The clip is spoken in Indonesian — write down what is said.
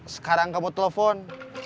sekarang kamu telepon